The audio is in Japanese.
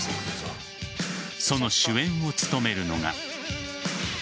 その主演を務めるのが。